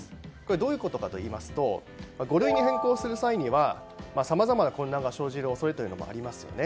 どういうことかといいますと五類に変更する際にはさまざまな混乱が生じる恐れもありますよね。